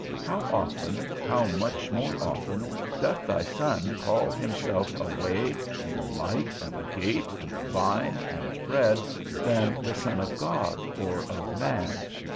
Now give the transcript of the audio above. How often, how much more often, doth thy Son call himself a way, and a light, and a gate, and a vine, and bread, than the Son of God, or of man?